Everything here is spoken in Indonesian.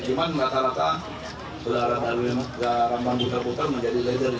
cuma rata rata berharap dari ramlan putar putar menjadi ledernya